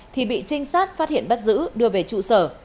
thì bị trinh sát phát hiện bắt giữ đưa về trụ sở